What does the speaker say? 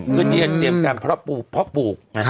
เงินเย็นเตรียมกันเพราะปลูก